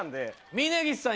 峯岸さん